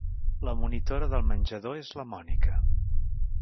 La monitora del menjador és la Mònica .